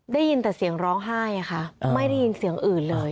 ได้ยินแต่เสียงร้องไห้ค่ะไม่ได้ยินเสียงอื่นเลย